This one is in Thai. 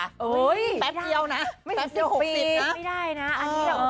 เป็นแป๊บเดียวนะไม่เห็นว่า๖๐ปีนะไม่ได้นะอันนี้แหละ